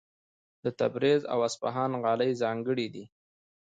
د تبریز او اصفهان غالۍ ځانګړې دي.